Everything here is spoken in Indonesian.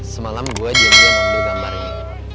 semalam gue jenggel ambil gambar ini